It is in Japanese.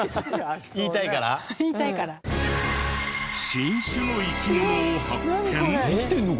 新種の生き物を発見！？